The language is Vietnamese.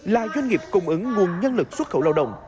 là doanh nghiệp cung ứng nguồn nhân lực xuất khẩu lao động